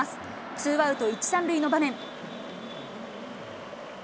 ツーアウト１、３塁の場面。